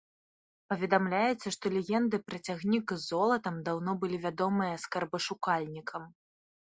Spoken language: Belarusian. Паведамляецца, што легенды пра цягнік з золатам даўно былі вядомыя скарбашукальнікам.